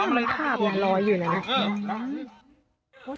มันข้าบอย่างร้อยอยู่นะครับ